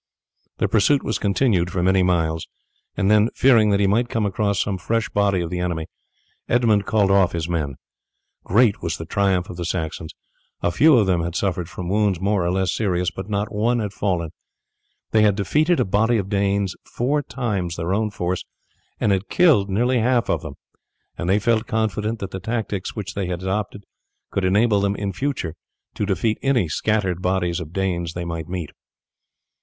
The pursuit was continued for many miles, and then, fearing that he might come across some fresh body of the enemy, Edmund called off his men. Great was the triumph of the Saxons. A few of them had suffered from wounds more or less serious, but not one had fallen. They had defeated a body of Danes four times their own force, and had killed nearly half of them, and they felt confident that the tactics which they had adopted would enable them in future to defeat any scattered bodies of Danes they might meet.